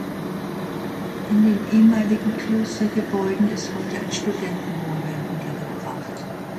In den ehemaligen Klostergebäuden ist heute ein Studentenwohnheim untergebracht.